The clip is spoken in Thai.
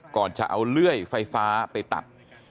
ก่อนจะเอาเลื่อยไฟฟ้าไปตัด